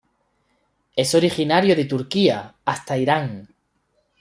Es originario de Turquía hasta Irán.